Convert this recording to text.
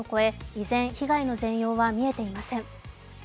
依然、被害の全容は見えていません。